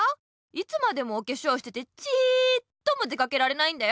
いつまでもおけしょうしててちっとも出かけられないんだよ。